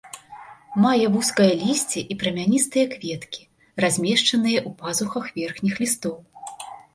Мае вузкае лісце і прамяністыя кветкі, размешчаныя ў пазухах верхніх лістоў.